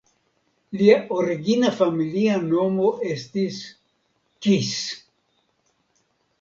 Lia origina familia nomo estis "Kis".